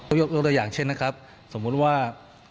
ก็ยกตัวอย่างเช่นสมมุติว่า